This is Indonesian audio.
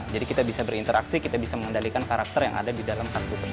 jadi kita bisa berinteraksi kita bisa mengendalikan karakter yang ada di dalam